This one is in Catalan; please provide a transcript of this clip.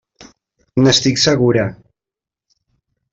N'estic segura.